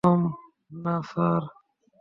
মা কসম, না, স্যার।